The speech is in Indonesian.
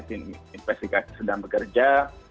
tim investigasi sedang bekerja